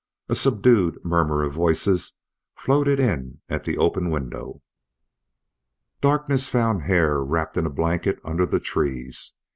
A subdued murmur of voices floated in at the open window. Darkness found Hare wrapped in a blanket under the trees.